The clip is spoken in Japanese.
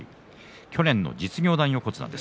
去年の実業団横綱です。